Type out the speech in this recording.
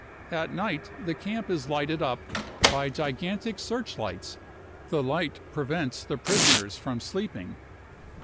At night *he camp is lighted up by gigantic searchlights ; the light prevents the prisoners from sleeping.